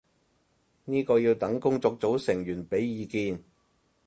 呢個要等工作組成員畀意見